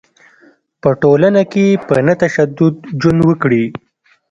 په ټولنه کې په نه تشدد ژوند وکړي.